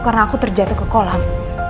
karena aku terjatuh ke kolam